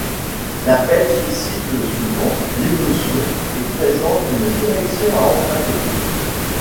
L’appel suscite souvent l’émotion, et présente une direction à emprunter.